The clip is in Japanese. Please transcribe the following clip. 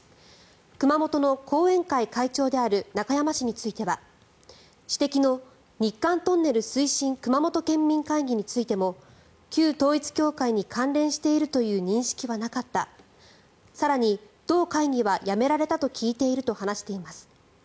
熊本の後援会長である中山氏については指摘の日韓トンネル推進熊本県民会議についても旧統一教会に関連しているという認識はなかった更に、同会議は辞められたと聞いていると話しています。